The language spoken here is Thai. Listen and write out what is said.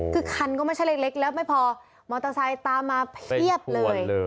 คือคันก็ไม่ใช่เล็กแล้วไม่พอมอเตอร์ไซค์ตามมาเพียบเลย